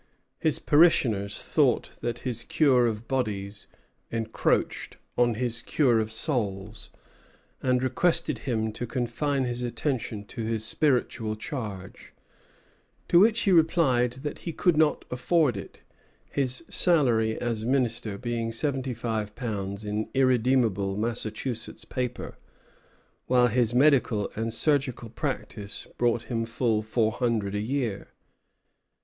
His parishioners thought that his cure of bodies encroached on his cure of souls, and requested him to confine his attention to his spiritual charge; to which he replied that he could not afford it, his salary as minister being seventy five pounds in irredeemable Massachusetts paper, while his medical and surgical practice brought him full four hundred a year.